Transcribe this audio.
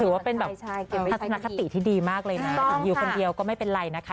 ว่าเป็นแบบทัศนคติที่ดีมากเลยนะถึงอยู่คนเดียวก็ไม่เป็นไรนะคะ